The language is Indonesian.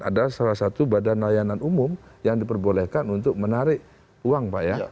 adalah salah satu badan layanan umum yang diperbolehkan untuk menarik uang pak ya